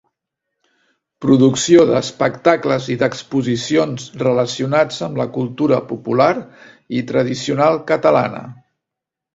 Producció d'espectacles i d'exposicions relacionats amb la cultura popular i tradicional catalana.